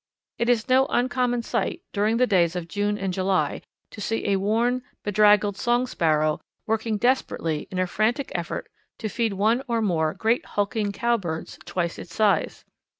It is no uncommon sight, during the days of June and July, to see a worn, bedraggled Song Sparrow working desperately in a frantic effort to feed one or more great hulking Cowbirds twice its size.